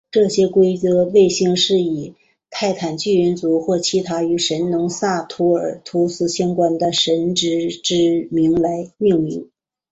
这些规则卫星都以泰坦巨人族或其他与农神萨图尔努斯相关的神只之名来命名。